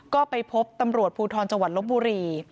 ก็ไปพบตำรวจภูทรจังหวัดลบบุรี